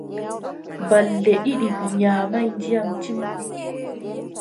Balɗe ɗiɗi mi nyaamaay, ndiyam timmi.